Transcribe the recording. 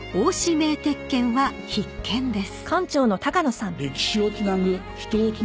銘鉄剣は必見です］